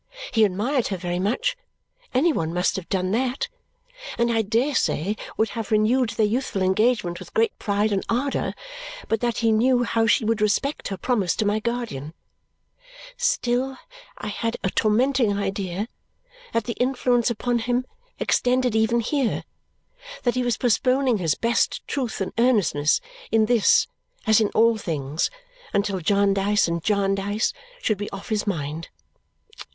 He admired her very much any one must have done that and I dare say would have renewed their youthful engagement with great pride and ardour but that he knew how she would respect her promise to my guardian. Still I had a tormenting idea that the influence upon him extended even here, that he was postponing his best truth and earnestness in this as in all things until Jarndyce and Jarndyce should be off his mind.